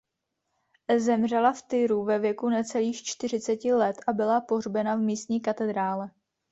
Zemřela v Tyru ve věku necelých čtyřiceti let a byla pohřbena v místní katedrále.